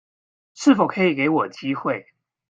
是否可以給我機會